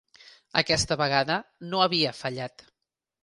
Aquesta vegada no havia fallat.